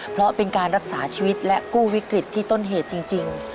เพราะเป็นการรักษาชีวิตและกู้วิกฤตที่ต้นเหตุจริง